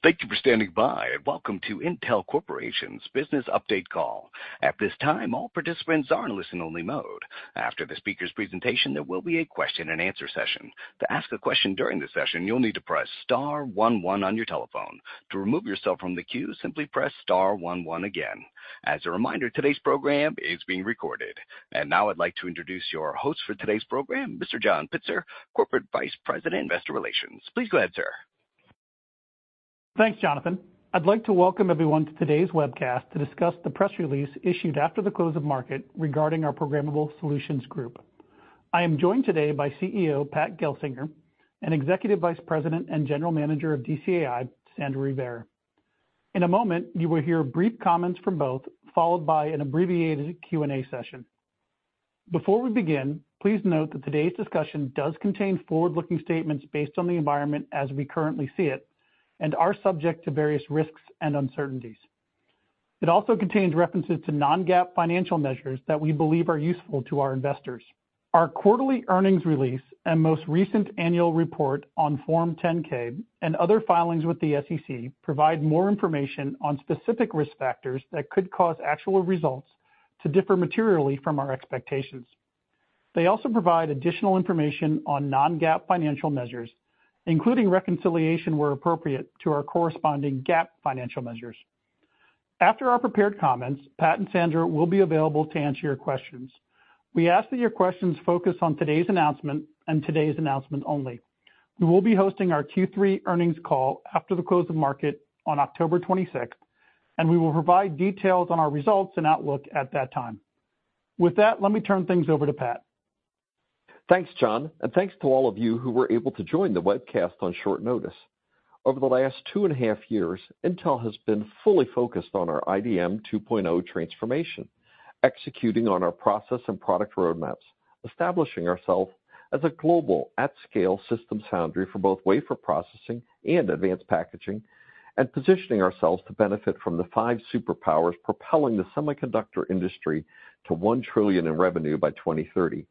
Thank you for standing by, and welcome to Intel Corporation's Business Update Call. At this time, all participants are in listen-only mode. After the speaker's presentation, there will be a question-and-answer session. To ask a question during the session, you'll need to press star one one on your telephone. To remove yourself from the queue, simply press star one one again. As a reminder, today's program is being recorded. And now I'd like to introduce your host for today's program, Mr. John Pitzer, Corporate Vice President, Investor Relations. Please go ahead, sir. Thanks, Jonathan. I'd like to welcome everyone to today's webcast to discuss the press release issued after the close of market regarding our Programmable Solutions Group. I am joined today by CEO, Pat Gelsinger, and Executive Vice President and General Manager of DCAI, Sandra Rivera. In a moment, you will hear brief comments from both, followed by an abbreviated Q&A session. Before we begin, please note that today's discussion does contain forward-looking statements based on the environment as we currently see it and are subject to various risks and uncertainties. It also contains references to non-GAAP financial measures that we believe are useful to our investors. Our quarterly earnings release and most recent annual report on Form 10-K and other filings with the SEC provide more information on specific risk factors that could cause actual results to differ materially from our expectations. They also provide additional information on non-GAAP financial measures, including reconciliation, where appropriate, to our corresponding GAAP financial measures. After our prepared comments, Pat and Sandra will be available to answer your questions. We ask that your questions focus on today's announcement and today's announcement only. We will be hosting our Q3 earnings call after the close of market on October 26th, and we will provide details on our results and outlook at that time. With that, let me turn things over to Pat. Thanks, John, and thanks to all of you who were able to join the webcast on short notice. Over the last 2.5 years, Intel has been fully focused on our IDM 2.0 transformation, executing on our process and product roadmaps, establishing ourselves as a global at-scale system foundry for both wafer processing and advanced packaging, and positioning ourselves to benefit from the 5 superpowers propelling the semiconductor industry to $1 trillion in revenue by 2030.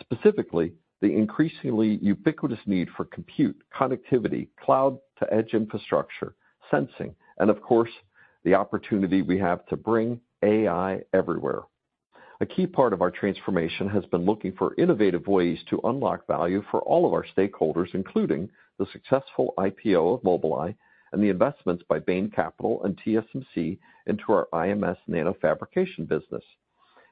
Specifically, the increasingly ubiquitous need for compute, connectivity, cloud-to-edge infrastructure, sensing, and of course, the opportunity we have to bring AI everywhere. A key part of our transformation has been looking for innovative ways to unlock value for all of our stakeholders, including the successful IPO of Mobileye and the investments by Bain Capital and TSMC into our IMS Nanofabrication business.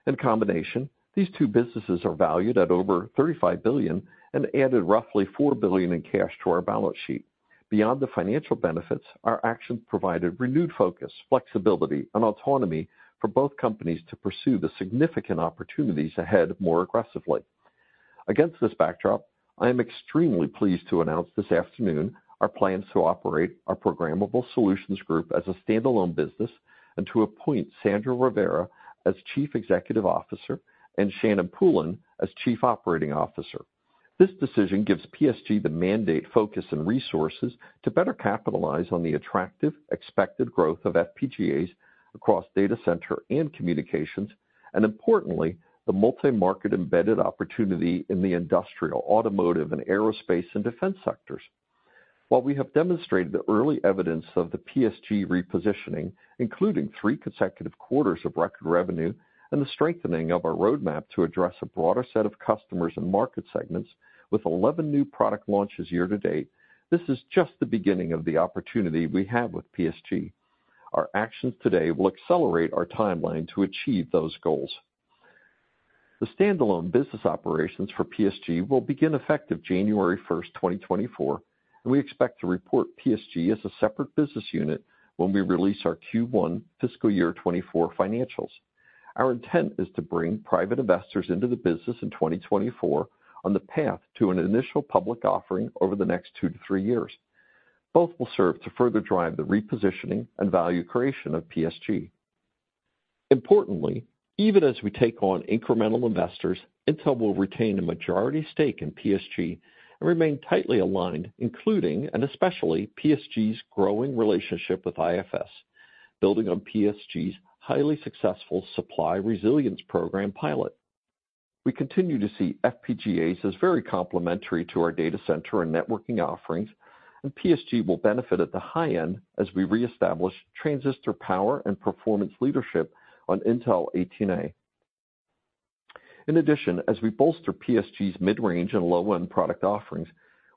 In combination, these two businesses are valued at over $35 billion and added roughly $4 billion in cash to our balance sheet. Beyond the financial benefits, our actions provided renewed focus, flexibility, and autonomy for both companies to pursue the significant opportunities ahead more aggressively. Against this backdrop, I am extremely pleased to announce this afternoon our plans to operate our Programmable Solutions Group as a standalone business and to appoint Sandra Rivera as Chief Executive Officer and Shannon Poulin as Chief Operating Officer. This decision gives PSG the mandate, focus, and resources to better capitalize on the attractive expected growth of FPGAs across data center and communications, and importantly, the multi-market embedded opportunity in the industrial, automotive, and aerospace and defense sectors. While we have demonstrated the early evidence of the PSG repositioning, including 3 consecutive quarters of record revenue and the strengthening of our roadmap to address a broader set of customers and market segments with 11 new product launches year-to-date, this is just the beginning of the opportunity we have with PSG. Our actions today will accelerate our timeline to achieve those goals. The standalone business operations for PSG will begin effective January 1, 2024, and we expect to report PSG as a separate business unit when we release our Q1 fiscal year 2024 financials. Our intent is to bring private investors into the business in 2024 on the path to an initial public offering over the next 2-3 years. Both will serve to further drive the repositioning and value creation of PSG. Importantly, even as we take on incremental investors, Intel will retain a majority stake in PSG and remain tightly aligned, including, and especially, PSG's growing relationship with IFS, building on PSG's highly successful supply resilience program pilot. We continue to see FPGAs as very complementary to our data center and networking offerings, and PSG will benefit at the high end as we reestablish transistor power and performance leadership on Intel 18A. In addition, as we bolster PSG's mid-range and low-end product offerings,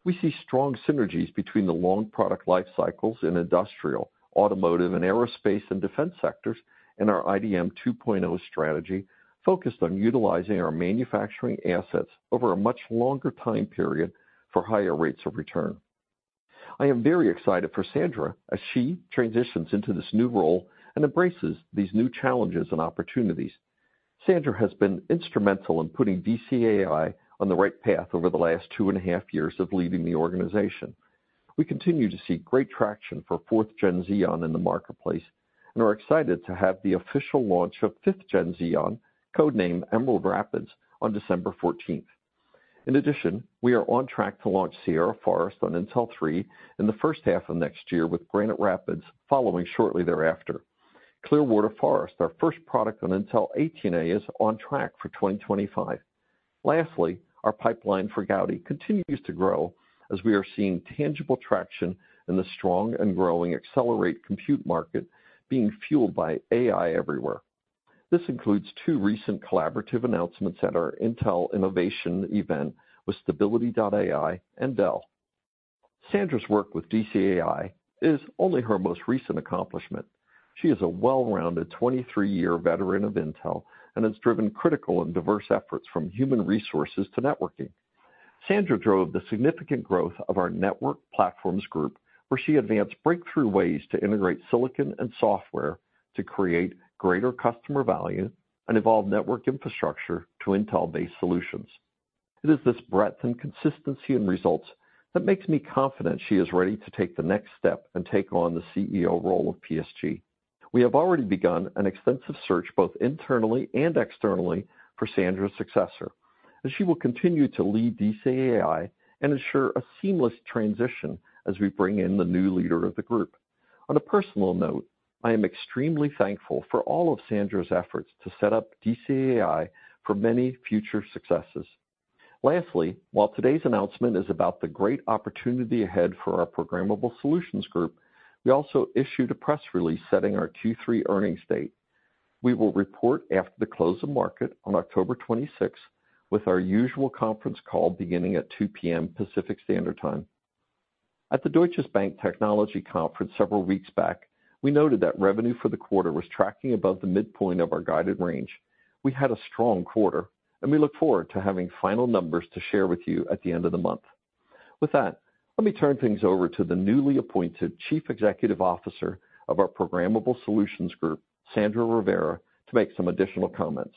we see strong synergies between the long product life cycles in industrial, automotive, and aerospace and defense sectors, and our IDM 2.0 strategy focused on utilizing our manufacturing assets over a much longer time period for higher rates of return. I am very excited for Sandra as she transitions into this new role and embraces these new challenges and opportunities. Sandra has been instrumental in putting DCAI on the right path over the last two and a half years of leading the organization. We continue to see great traction for 4th Gen Xeon in the marketplace and are excited to have the official launch of 5th Gen Xeon, code-named Emerald Rapids, on December 14th. In addition, we are on track to launch Sierra Forest on Intel 3 in the H1 of next year, with Granite Rapids following shortly thereafter. Clearwater Forest, our first product on Intel 18A, is on track for 2025. Lastly, our pipeline for Gaudi continues to grow as we are seeing tangible traction in the strong and growing accelerate compute market being fueled by AI everywhere. This includes two recent collaborative announcements at our Intel Innovation event with Stability AI and Dell. Sandra's work with DCAI is only her most recent accomplishment. She is a well-rounded, 23-year veteran of Intel and has driven critical and diverse efforts from human resources to networking. Sandra drove the significant growth of our Network Platforms Group, where she advanced breakthrough ways to integrate silicon and software to create greater customer value and evolve network infrastructure to Intel-based solutions. It is this breadth and consistency in results that makes me confident she is ready to take the next step and take on the CEO role of PSG. We have already begun an extensive search, both internally and externally, for Sandra's successor, and she will continue to lead DCAI and ensure a seamless transition as we bring in the new leader of the group. On a personal note, I am extremely thankful for all of Sandra's efforts to set up DCAI for many future successes. Lastly, while today's announcement is about the great opportunity ahead for our Programmable Solutions Group, we also issued a press release setting our Q3 earnings date. We will report after the close of market on October 26th, with our usual conference call beginning at 2:00 P.M. Pacific Standard Time. At the Deutsche Bank Technology Conference several weeks back, we noted that revenue for the quarter was tracking above the midpoint of our guided range. We had a strong quarter, and we look forward to having final numbers to share with you at the end of the month. With that, let me turn things over to the newly appointed Chief Executive Officer of our Programmable Solutions Group, Sandra Rivera, to make some additional comments.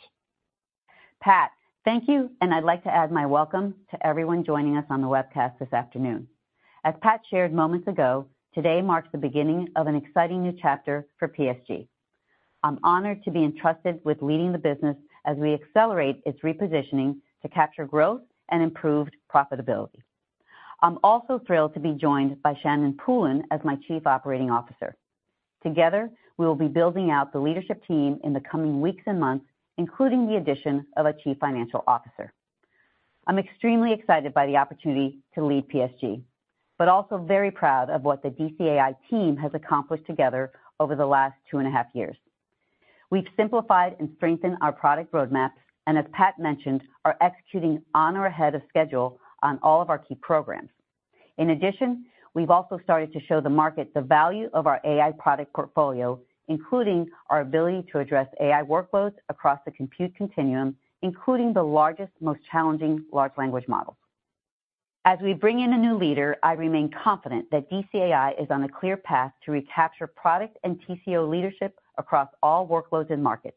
Pat, thank you, and I'd like to add my welcome to everyone joining us on the webcast this afternoon. As Pat shared moments ago, today marks the beginning of an exciting new chapter for PSG. I'm honored to be entrusted with leading the business as we accelerate its repositioning to capture growth and improved profitability. I'm also thrilled to be joined by Shannon Poulin as my Chief Operating Officer. Together, we will be building out the leadership team in the coming weeks and months, including the addition of a Chief Financial Officer. I'm extremely excited by the opportunity to lead PSG, but also very proud of what the DCAI team has accomplished together over the last two and a half years. We've simplified and strengthened our product roadmap, and as Pat mentioned, are executing on or ahead of schedule on all of our key programs. In addition, we've also started to show the market the value of our AI product portfolio, including our ability to address AI workloads across the compute continuum, including the largest, most challenging large language models. As we bring in a new leader, I remain confident that DCAI is on a clear path to recapture product and TCO leadership across all workloads and markets.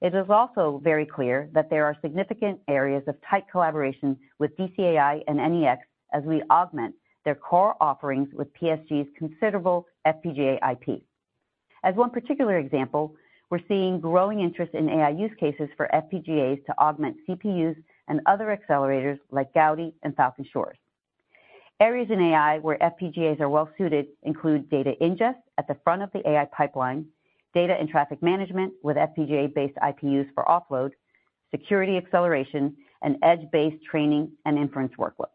It is also very clear that there are significant areas of tight collaboration with DCAI and NEX as we augment their core offerings with PSG's considerable FPGA IP. As one particular example, we're seeing growing interest in AI use cases for FPGAs to augment CPUs and other accelerators like Gaudi and Falcon Shores. Areas in AI where FPGAs are well suited include data ingest at the front of the AI pipeline, data and traffic management with FPGA-based IPUs for offload, security acceleration, and edge-based training and inference workloads.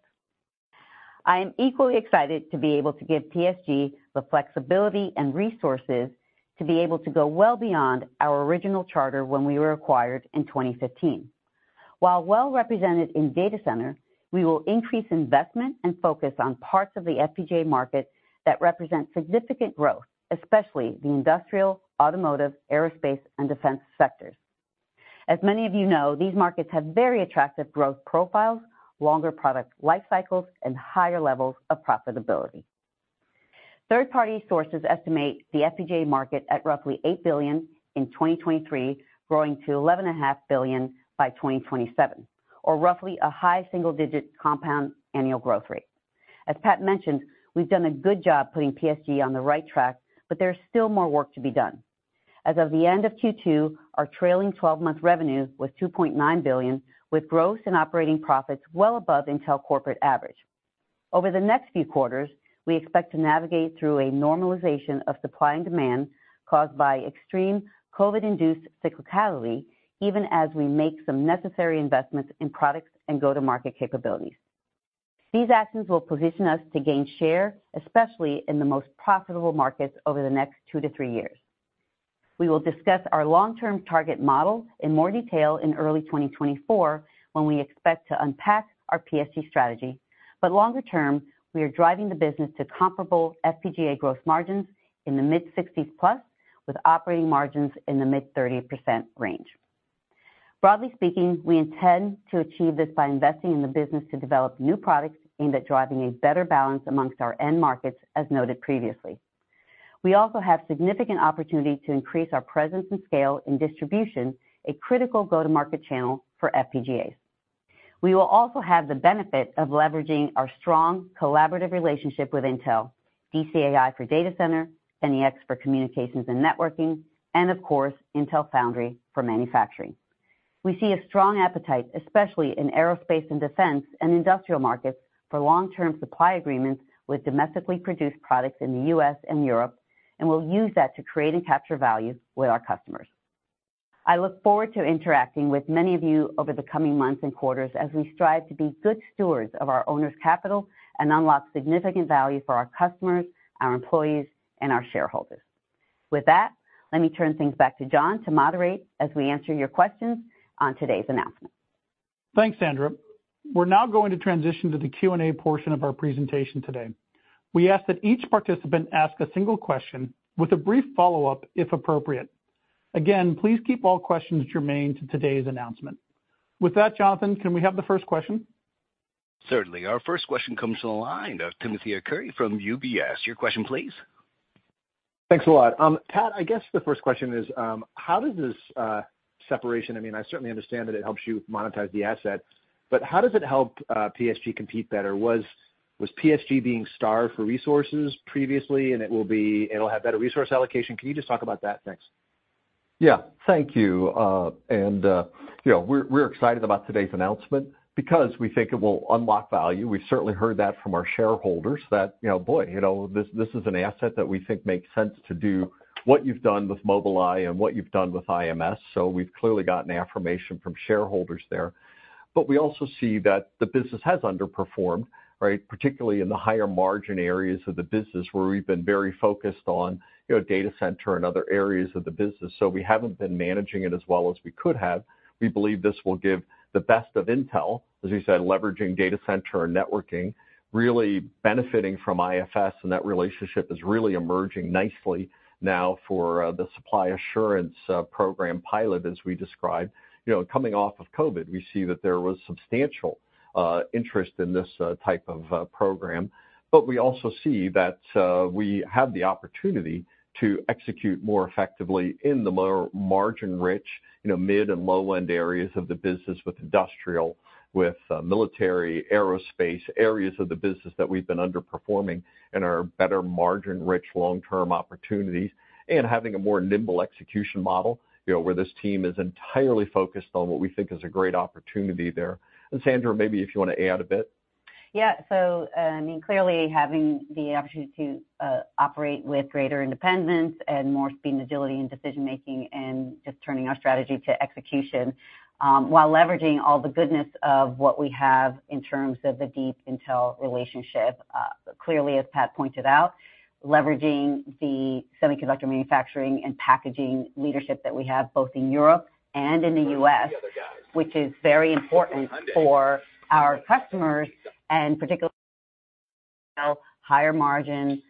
I am equally excited to be able to give PSG the flexibility and resources to be able to go well beyond our original charter when we were acquired in 2015. While well represented in data center, we will increase investment and focus on parts of the FPGA market that represent significant growth, especially the industrial, automotive, aerospace, and defense sectors. As many of you know, these markets have very attractive growth profiles, longer product life cycles, and higher levels of profitability. Third-party sources estimate the FPGA market at roughly $8 billion in 2023, growing to $11.5 billion by 2027, or roughly a high single-digit compound annual growth rate. As Pat mentioned, we've done a good job putting PSG on the right track, but there's still more work to be done. As of the end of Q2, our trailing twelve-month revenue was $2.9 billion, with gross and operating profits well above Intel corporate average. Over the next few quarters, we expect to navigate through a normalization of supply and demand caused by extreme COVID-induced cyclicality, even as we make some necessary investments in products and go-to-market capabilities. These actions will position us to gain share, especially in the most profitable markets over the next 2-3 years. We will discuss our long-term target model in more detail in early 2024, when we expect to unpack our PSG strategy. But longer term, we are driving the business to comparable FPGA growth margins in the mid-60s+, with operating margins in the mid-30% range. Broadly speaking, we intend to achieve this by investing in the business to develop new products aimed at driving a better balance among our end markets, as noted previously. We also have significant opportunity to increase our presence and scale in distribution, a critical go-to-market channel for FPGAs. We will also have the benefit of leveraging our strong collaborative relationship with Intel, DCAI for data center, NEX for communications and networking, and of course, Intel Foundry for manufacturing. We see a strong appetite, especially in aerospace and defense, and industrial markets, for long-term supply agreements with domestically produced products in the U.S. and Europe, and we'll use that to create and capture value with our customers. I look forward to interacting with many of you over the coming months and quarters as we strive to be good stewards of our owners' capital and unlock significant value for our customers, our employees, and our shareholders. With that, let me turn things back to John to moderate as we answer your questions on today's announcement. Thanks, Sandra. We're now going to transition to the Q&A portion of our presentation today. We ask that each participant ask a single question with a brief follow-up, if appropriate. Again, please keep all questions germane to today's announcement. With that, Jonathan, can we have the first question? Certainly. Our first question comes from the line of Timothy Arcuri from UBS. Your question, please. Thanks a lot. Pat, I guess the first question is, how does this separation, I mean, I certainly understand that it helps you monetize the asset, but how does it help PSG compete better? Was PSG being starved for resources previously, and it'll have better resource allocation? Can you just talk about that? Thanks. Yeah. Thank you. And, you know, we're, we're excited about today's announcement because we think it will unlock value. We've certainly heard that from our shareholders that, you know, boy, you know, this, this is an asset that we think makes sense to do what you've done with Mobileye and what you've done with IMS. So we've clearly gotten affirmation from shareholders there. But we also see that the business has underperformed, right? Particularly in the higher margin areas of the business, where we've been very focused on, you know, data center and other areas of the business. So we haven't been managing it as well as we could have. We believe this will give the best of Intel, as you said, leveraging data center and networking, really benefiting from IFS, and that relationship is really emerging nicely now for the supply assurance program pilot, as we described. You know, coming off of COVID, we see that there was substantial interest in this type of program. But we also see that we have the opportunity to execute more effectively in the margin-rich, you know, mid and low-end areas of the business, with industrial, with military, aerospace, areas of the business that we've been underperforming and are better margin-rich, long-term opportunities, and having a more nimble execution model, you know, where this team is entirely focused on what we think is a great opportunity there. And Sandra, maybe if you want to add a bit. Yeah. So, I mean, clearly, having the opportunity to operate with greater independence and more speed and agility in decision-making, and just turning our strategy to execution, while leveraging all the goodness of what we have in terms of the deep Intel relationship. Clearly, as Pat pointed out, leveraging the semiconductor manufacturing and packaging leadership that we have, both in Europe and in the U.S., which is very important for our customers, and particularly higher margin,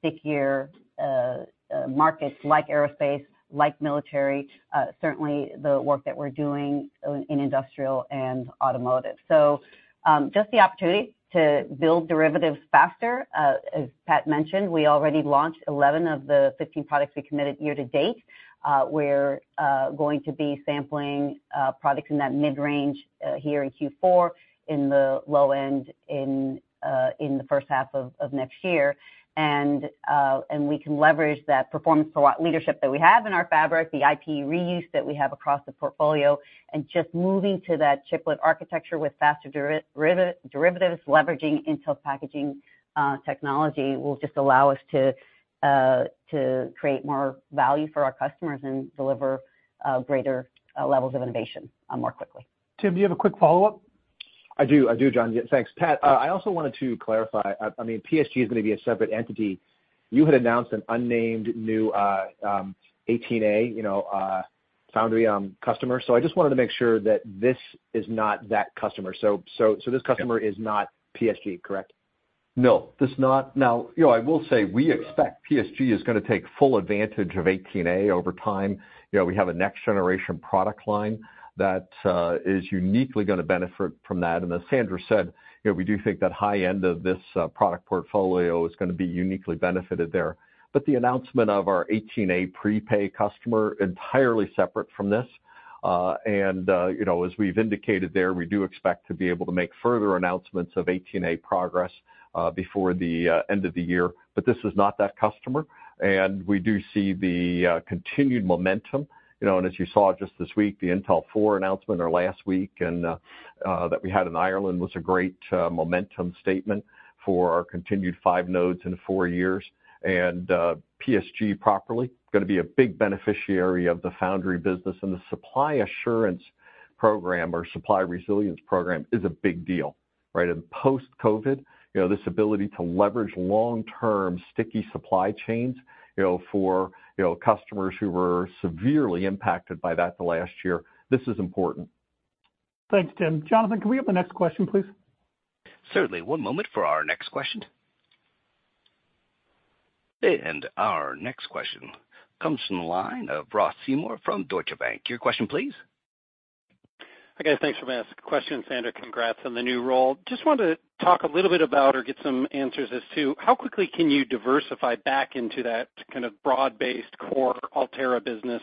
stickier markets like aerospace, like military, certainly the work that we're doing in industrial and automotive. So, just the opportunity to build derivatives faster. As Pat mentioned, we already launched 11 of the 15 products we committed year to date. We're going to be sampling products in that mid-range here in Q4, in the low end in the H1 of next year. And we can leverage that performance throughout leadership that we have in our fabric, the IP reuse that we have across the portfolio, and just moving to that chiplet architecture with faster derivatives, leveraging Intel packaging technology, will just allow us to create more value for our customers and deliver greater levels of innovation more quickly. Tim, do you have a quick follow-up? I do. I do, John. Yeah, thanks. Pat, I also wanted to clarify. I mean, PSG is going to be a separate entity. You had announced an unnamed new 18A, you know, foundry customer. So I just wanted to make sure that this is not that customer. So this customer is not PSG, correct? No, this is not. Now, you know, I will say, we expect PSG is going to take full advantage of 18A over time. You know, we have a next-generation product line that is uniquely going to benefit from that. And as Sandra said, you know, we do think that high end of this product portfolio is going to be uniquely benefited there. But the announcement of our 18A prepay customer is entirely separate from this. And you know, as we've indicated there, we do expect to be able to make further announcements of 18A progress before the end of the year, but this is not that customer, and we do see the continued momentum. You know, and as you saw just this week, the Intel 4 announcement or last week, and that we had in Ireland, was a great momentum statement for our continued five nodes in four years. And PSG properly going to be a big beneficiary of the foundry business and the supply assurance program or supply resilience program is a big deal, right? In post-COVID, you know, this ability to leverage long-term, sticky supply chains, you know, for, you know, customers who were severely impacted by that the last year, this is important. Thanks, Tim. Jonathan, can we have the next question, please? Certainly. One moment for our next question. Our next question comes from the line of Ross Seymore from Deutsche Bank. Your question, please. Hi, guys. Thanks for asking questions. Sandra, congrats on the new role. Just wanted to talk a little bit about or get some answers as to how quickly can you diversify back into that kind of broad-based core Altera business?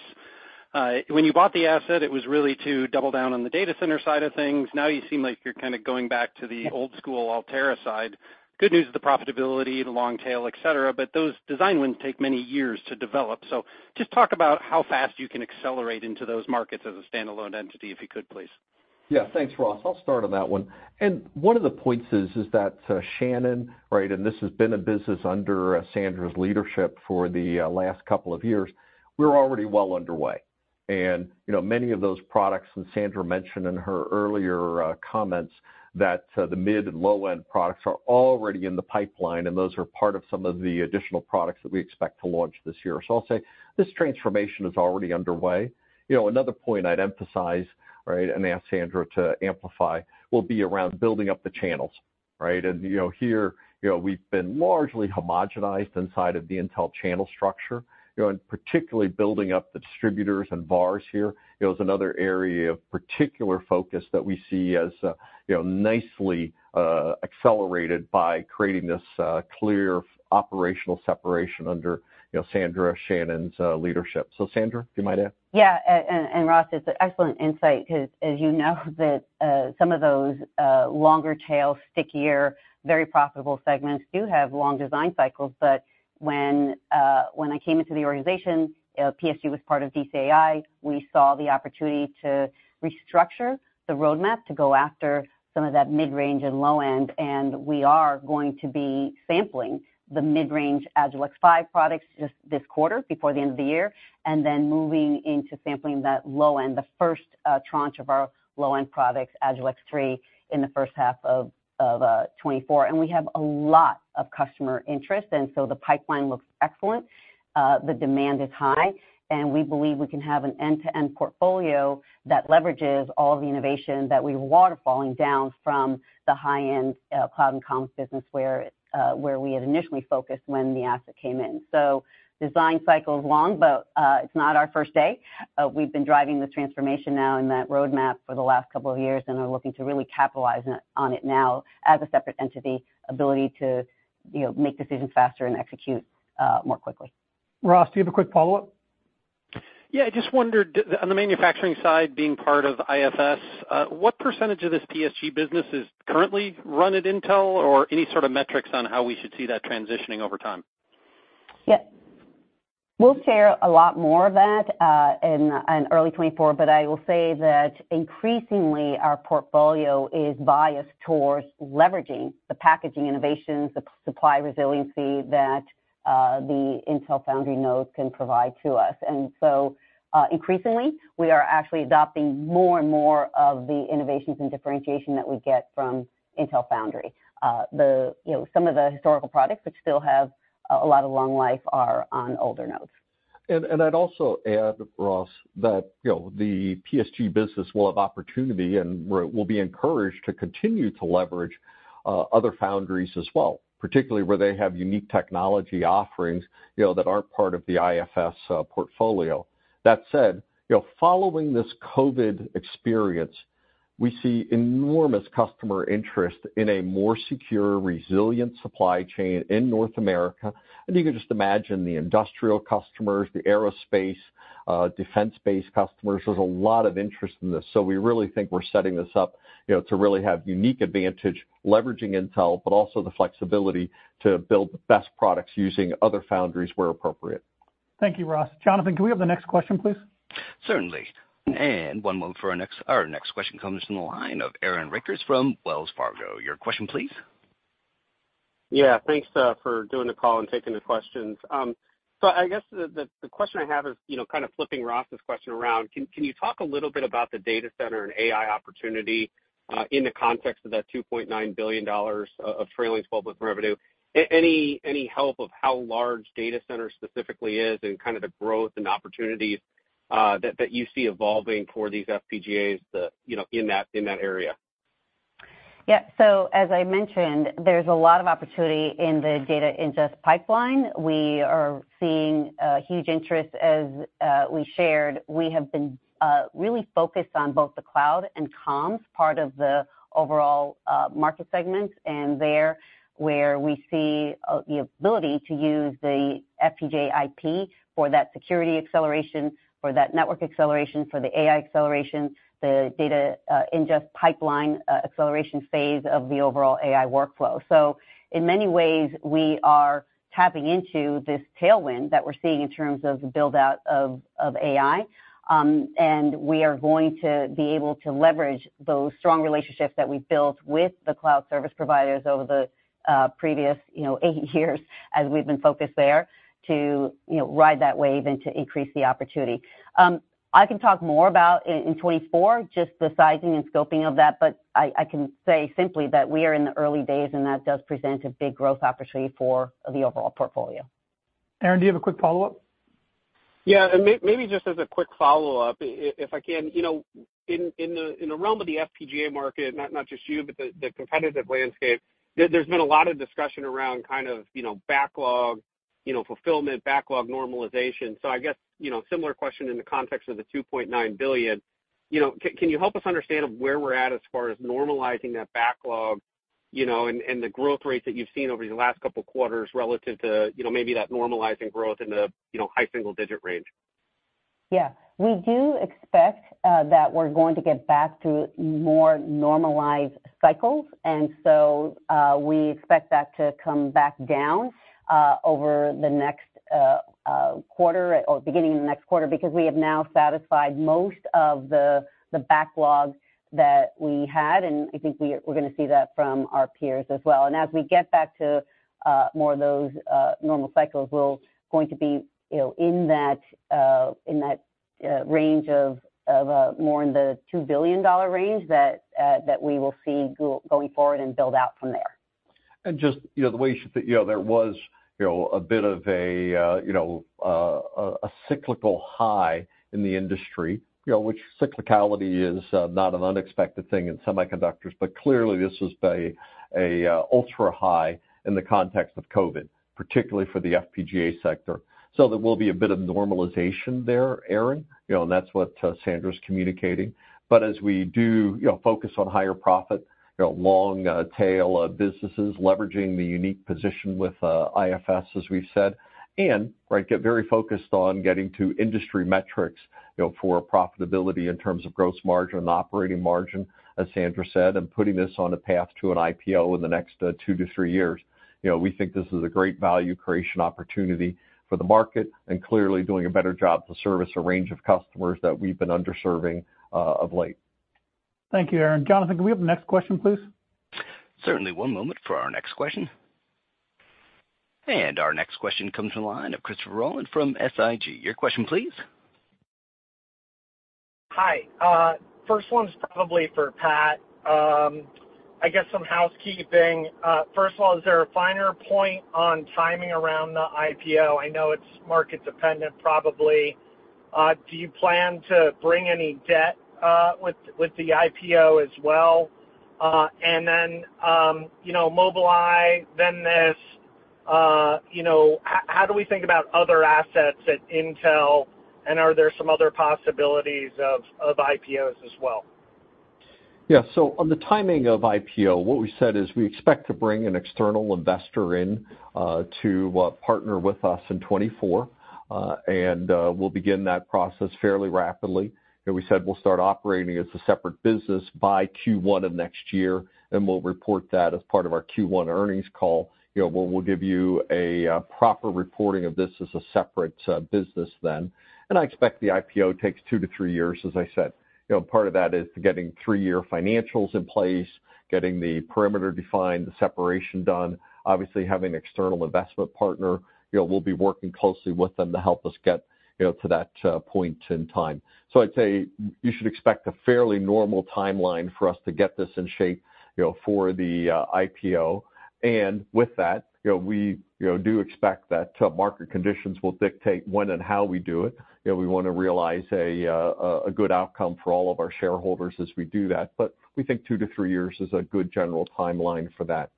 When you bought the asset, it was really to double down on the data center side of things. Now you seem like you're kind of going back to the old school Altera side. Good news is the profitability, the long tail, et cetera, but those design wins take many years to develop. So just talk about how fast you can accelerate into those markets as a standalone entity, if you could, please. Yeah, thanks, Ross. I'll start on that one. One of the points is that Shannon, right, and this has been a business under Sandra's leadership for the last couple of years. We're already well underway. You know, many of those products, and Sandra mentioned in her earlier comments that the mid- and low-end products are already in the pipeline, and those are part of some of the additional products that we expect to launch this year. I'll say this transformation is already underway. You know, another point I'd emphasize, right, and ask Sandra to amplify, will be around building up the channels, right? You know, here, we've been largely homogenized inside of the Intel channel structure. You know, and particularly building up the distributors and bars here, you know, is another area of particular focus that we see as, you know, nicely accelerated by creating this clear operational separation under, you know, Sandra and Shannon's leadership. So Sandra, do you mind adding? Yeah, and Ross, it's an excellent insight because as you know, that some of those longer tail, stickier, very profitable segments do have long design cycles. But when I came into the organization, PSG was part of DCAI. We saw the opportunity to restructure the roadmap to go after some of that mid-range and low-end, and we are going to be sampling the mid-range Agilex 5 products this quarter before the end of the year, and then moving into sampling that low-end, the first tranche of our low-end products, Agilex 3, in the H1 of 2024. And we have a lot of customer interest, and so the pipeline looks excellent. The demand is high, and we believe we can have an end-to-end portfolio that leverages all the innovation that we're waterfalling down from the high-end, cloud and comps business, where we had initially focused when the asset came in. So design cycle is long, but it's not our first day. We've been driving the transformation now in that roadmap for the last couple of years, and are looking to really capitalize on it, on it now as a separate entity, ability to, you know, make decisions faster and execute, more quickly. Ross, do you have a quick follow-up? Yeah, I just wondered, on the manufacturing side, being part of IFS, what percentage of this PSG business is currently run at Intel, or any sort of metrics on how we should see that transitioning over time? Yeah. We'll share a lot more of that in early 2024, but I will say that increasingly, our portfolio is biased towards leveraging the packaging innovations, the supply resiliency that the Intel Foundry nodes can provide to us. And so, increasingly, we are actually adopting more and more of the innovations and differentiation that we get from Intel Foundry. You know, some of the historical products, which still have a lot of long life, are on older nodes. And I'd also add, Ross, that, you know, the PSG business will have opportunity and will, will be encouraged to continue to leverage, other foundries as well, particularly where they have unique technology offerings, you know, that aren't part of the IFS, portfolio. That said, you know, following this COVID experience, we see enormous customer interest in a more secure, resilient supply chain in North America. And you can just imagine the industrial customers, the aerospace, defense-based customers. There's a lot of interest in this, so we really think we're setting this up, you know, to really have unique advantage, leveraging Intel, but also the flexibility to build the best products using other foundries where appropriate. Thank you, Ross. Jonathan, can we have the next question, please? Certainly. One moment for our next question comes from the line of Aaron Rakers from Wells Fargo. Your question, please. Yeah, thanks, for doing the call and taking the questions. So I guess the question I have is, you know, kind of flipping Ross's question around: Can you talk a little bit about the data center and AI opportunity, in the context of that $2.9 billion of trailing twelve-month revenue? Any help of how large data center specifically is and kind of the growth and opportunities, that you see evolving for these FPGAs, you know, in that area? Yeah. So as I mentioned, there's a lot of opportunity in the data ingest pipeline. We are seeing a huge interest. As we shared, we have been really focused on both the cloud and comms, part of the overall market segments, and there, where we see the ability to use the FPGA IP for that security acceleration, for that network acceleration, for the AI acceleration, the data ingest pipeline acceleration phase of the overall AI workflow. So in many ways, we are tapping into this tailwind that we're seeing in terms of the build-out of AI. And we are going to be able to leverage those strong relationships that we've built with the cloud service providers over the previous, you know, eight years as we've been focused there, to, you know, ride that wave and to increase the opportunity. I can talk more about in 2024, just the sizing and scoping of that, but I can say simply that we are in the early days, and that does present a big growth opportunity for the overall portfolio. Aaron, do you have a quick follow-up? Yeah, and maybe just as a quick follow-up, if I can. You know, in the realm of the FPGA market, not just you, but the competitive landscape, there's been a lot of discussion around kind of, you know, backlog, you know, fulfillment, backlog normalization. So I guess, you know, similar question in the context of the $2.9 billion, you know, can you help us understand where we're at as far as normalizing that backlog, you know, and the growth rates that you've seen over the last couple of quarters relative to, you know, maybe that normalizing growth in the, you know, high single-digit range? Yeah, we do expect that we're going to get back to more normalized cycles, and so, we expect that to come back down over the next quarter or beginning of the next quarter, because we have now satisfied most of the backlogs that we had, and I think we're gonna see that from our peers as well. And as we get back to more of those normal cycles, we're going to be, you know, in that range of more in the $2 billion range that we will see going forward and build out from there. And just, you know, the way you, you know, there was, you know, a bit of a, you know, a cyclical high in the industry, you know, which cyclicality is, not an unexpected thing in semiconductors. But clearly, this is a ultra high in the context of COVID, particularly for the FPGA sector. So there will be a bit of normalization there, Aaron, you know, and that's what, Sandra's communicating. But as we do, you know, focus on higher profit, you know, long, tail, businesses, leveraging the unique position with, IFS, as we've said, and, right, get very focused on getting to industry metrics, you know, for profitability in terms of gross margin and operating margin, as Sandra said, and putting this on a path to an IPO in the next, 2-3 years. You know, we think this is a great value creation opportunity for the market and clearly doing a better job to service a range of customers that we've been underserving, of late. Thank you, Aaron. Jonathan, can we have the next question, please? Certainly. One moment for our next question. And our next question comes from the line of Christopher Rolland from SIG. Your question, please. Hi, first one's probably for Pat. I guess some housekeeping. First of all, is there a finer point on timing around the IPO? I know it's market dependent, probably. And then, you know, Mobileye, Venous, you know, how do we think about other assets at Intel, and are there some other possibilities of IPOs as well? Yeah. So on the timing of IPO, what we said is we expect to bring an external investor in, to partner with us in 2024, and we'll begin that process fairly rapidly. And we said we'll start operating as a separate business by Q1 of next year, and we'll report that as part of our Q1 earnings call. You know, where we'll give you a proper reporting of this as a separate business then. And I expect the IPO takes 2-3 years, as I said. You know, part of that is getting 3-year financials in place, getting the perimeter defined, the separation done, obviously having external investment partner. You know, we'll be working closely with them to help us get, you know, to that point in time. So I'd say you should expect a fairly normal timeline for us to get this in shape, you know, for the IPO. And with that, you know, we do expect that market conditions will dictate when and how we do it. You know, we want to realize a good outcome for all of our shareholders as we do that, but we think two to three years is a good general timeline for that.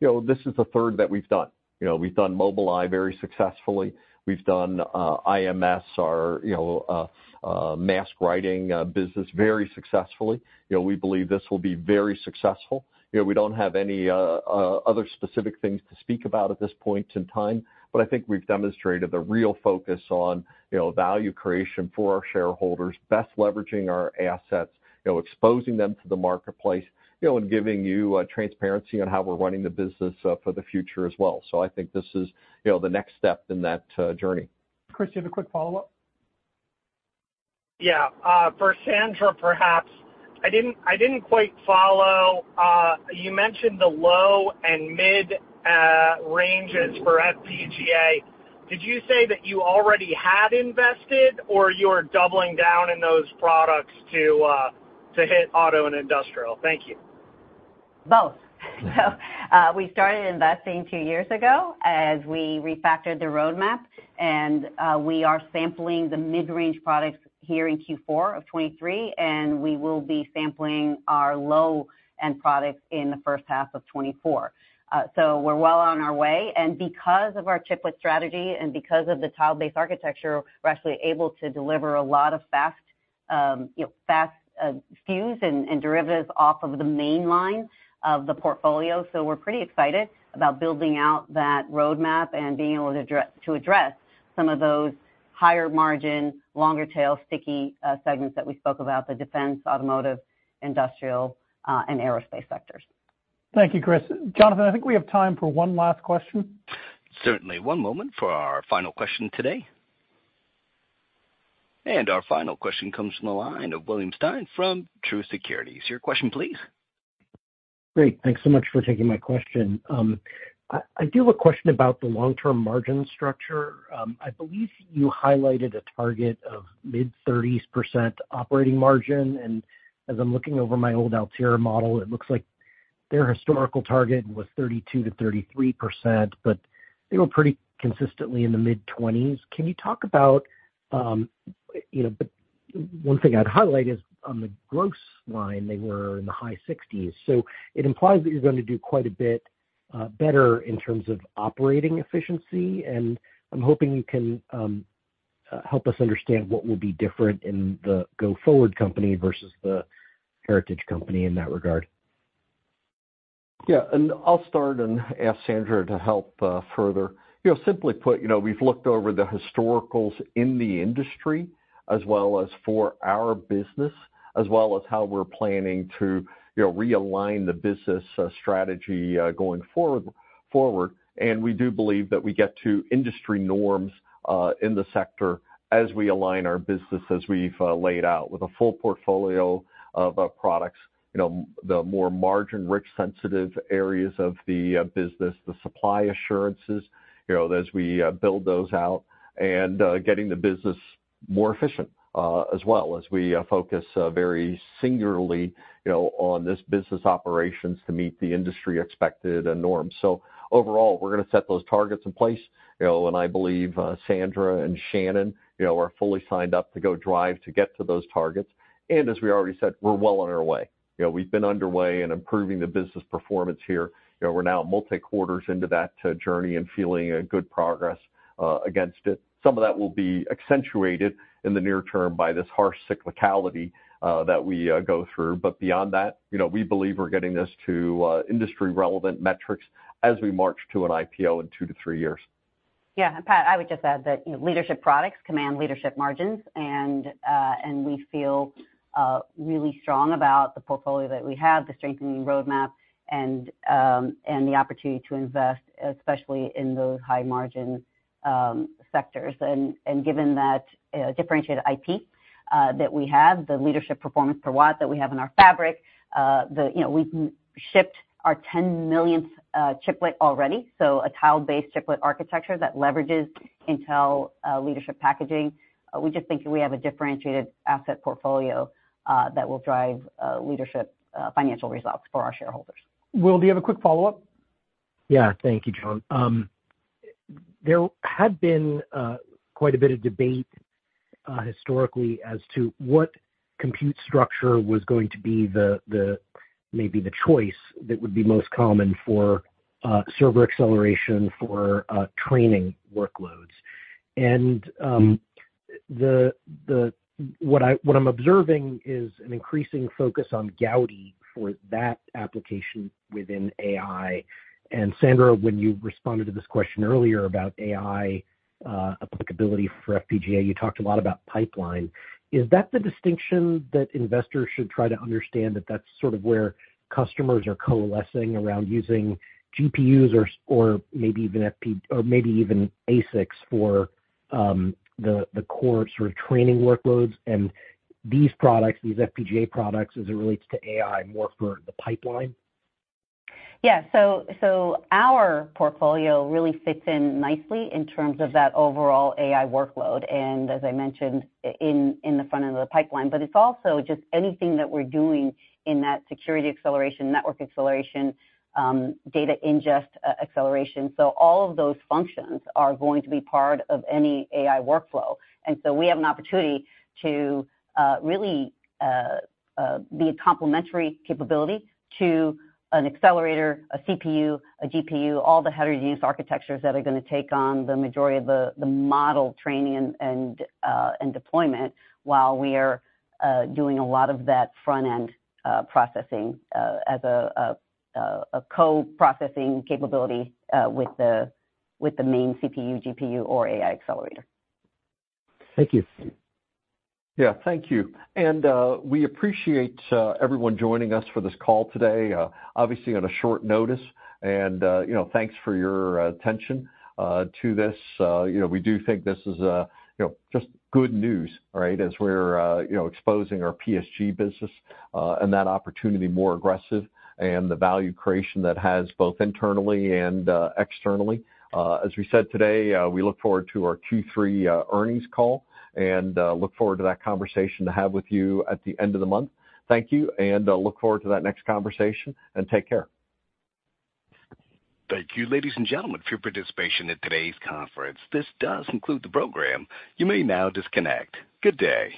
You know, this is the third that we've done. You know, we've done Mobileye very successfully. We've done IMS, our mask writing business, very successfully. You know, we believe this will be very successful. You know, we don't have any, other specific things to speak about at this point in time, but I think we've demonstrated the real focus on, you know, value creation for our shareholders, best leveraging our assets, you know, exposing them to the marketplace, you know, and giving you, transparency on how we're running the business, for the future as well. So I think this is, you know, the next step in that, journey. Chris, you have a quick follow-up? Yeah. For Sandra, perhaps. I didn't quite follow. You mentioned the low and mid ranges for FPGA. Did you say that you already had invested, or you're doubling down in those products to hit auto and industrial? Thank you. Both. We started investing two years ago as we refactored the roadmap, and we are sampling the mid-range products here in Q4 of 2023, and we will be sampling our low-end products in the H1 of 2024. So we're well on our way, and because of our chiplet strategy and because of the tile-based architecture, we're actually able to deliver a lot of fast, you know, fast, SKUs and derivatives off of the main line of the portfolio. So we're pretty excited about building out that roadmap and being able to address some of those higher margin, longer tail, sticky, segments that we spoke about, the defense, automotive, industrial, and aerospace sectors. Thank you, Chris. Jonathan, I think we have time for one last question. Certainly. One moment for our final question today. Our final question comes from the line of William Stein from Truist Securities. Your question, please. Great. Thanks so much for taking my question. I do have a question about the long-term margin structure. I believe you highlighted a target of mid-30s% operating margin, and as I'm looking over my old Altera model, it looks like their historical target was 32%-33%, but they were pretty consistently in the mid-20s. Can you talk about, you know, but one thing I'd highlight is, on the gross line, they were in the high 60s, so it implies that you're going to do quite a bit better in terms of operating efficiency, and I'm hoping you can help us understand what will be different in the go-forward company versus the heritage company in that regard? Yeah, and I'll start and ask Sandra to help further. You know, simply put, you know, we've looked over the historicals in the industry as well as for our business, as well as how we're planning to, you know, realign the business strategy going forward. And we do believe that we get to industry norms in the sector as we align our business, as we've laid out, with a full portfolio of products. You know, the more margin rich sensitive areas of the business, the supply assurances, you know, as we build those out, and getting the business more efficient as well, as we focus very singularly, you know, on this business operations to meet the industry expected and norms. So overall, we're gonna set those targets in place, you know, and I believe, Sandra and Shannon, you know, are fully signed up to go drive to get to those targets. And as we already said, we're well on our way. You know, we've been underway in improving the business performance here. You know, we're now multi quarters into that, journey and feeling a good progress, against it. Some of that will be accentuated in the near term by this harsh cyclicality, that we go through, but beyond that, you know, we believe we're getting this to, industry-relevant metrics as we march to an IPO in 2-3 years. Yeah, Pat, I would just add that, you know, leadership products command leadership margins, and we feel really strong about the portfolio that we have, the strengthening roadmap, and the opportunity to invest, especially in those high margin sectors. And given that differentiated IP that we have, the leadership performance per watt that we have in our fabric, you know, we shipped our 10 millionth chiplet already, so a tile-based chiplet architecture that leverages Intel leadership packaging. We just think we have a differentiated asset portfolio that will drive leadership financial results for our shareholders. Will, do you have a quick follow-up? Yeah. Thank you, John. There had been quite a bit of debate historically as to what compute structure was going to be the, the, maybe the choice that would be most common for server acceleration for training workloads. And what I'm observing is an increasing focus on Gaudi for that application within AI. And Sandra, when you responded to this question earlier about AI applicability for FPGA, you talked a lot about pipeline. Is that the distinction that investors should try to understand, that that's sort of where customers are coalescing around using GPUs or maybe even ASICs for the core sort of training workloads, and these products, these FPGA products, as it relates to AI, more for the pipeline? Yeah. So our portfolio really fits in nicely in terms of that overall AI workload, and as I mentioned, in the front end of the pipeline. But it's also just anything that we're doing in that security acceleration, network acceleration, data ingest, acceleration. So all of those functions are going to be part of any AI workflow. And so we have an opportunity to really be a complementary capability to an accelerator, a CPU, a GPU, all the heterogeneous architectures that are gonna take on the majority of the model training and deployment, while we are doing a lot of that front end processing as a co-processing capability with the main CPU, GPU, or AI accelerator. Thank you. Yeah, thank you. And, we appreciate everyone joining us for this call today, obviously on a short notice. And, you know, thanks for your attention to this. You know, we do think this is, you know, just good news, right? As we're, you know, exposing our PSG business, and that opportunity more aggressive and the value creation that has, both internally and, externally. As we said today, we look forward to our Q3 earnings call, and, look forward to that conversation to have with you at the end of the month. Thank you, and, look forward to that next conversation, and take care. Thank you, ladies and gentlemen, for your participation in today's conference. This does conclude the program. You may now disconnect. Good day!